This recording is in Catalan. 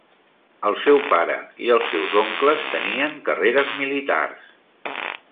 El seu pare i els seus oncles tenien carreres militars.